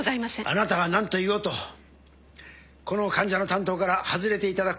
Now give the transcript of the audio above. あなたが何と言おうとこの患者の担当から外れていただくことになりました。